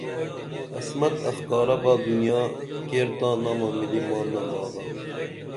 عصمت اخکارہ با دنیا کیر تاں نامہ ملی ماں نم آگا